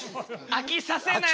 飽きさせない。